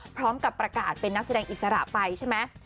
พร้อมกับประกาศเป็นนักแสดงอิสระไปใช่ไหม